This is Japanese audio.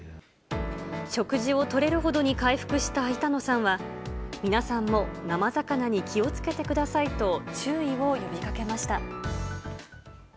食事をとれるほどに回復した板野さんは、皆さんも、生魚に気をつけてくださいと、注意を呼びかけました。